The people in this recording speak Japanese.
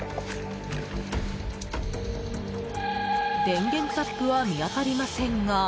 電源タップは見当たりませんが。